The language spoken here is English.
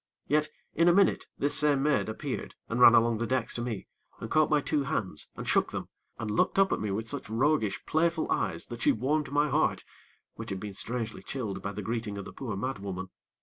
Yet, in a minute, this same maid appeared, and ran along the decks to me, and caught my two hands, and shook them, and looked up at me with such roguish, playful eyes, that she warmed my heart, which had been strangely chilled by the greeting of the poor mad woman.